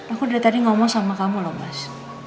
aku dari tadi ngomong sama kamu loh mas